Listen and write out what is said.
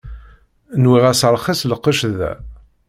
Nwiɣ-as rxis lqecc da.